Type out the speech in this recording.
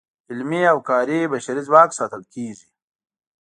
علمي او کاري بشري ځواک ساتل کیږي.